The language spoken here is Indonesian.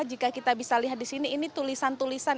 jika kita bisa lihat di sini ini tulisan tulisan